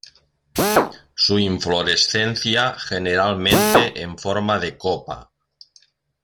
Su inflorescencia generalmente en forma de copa.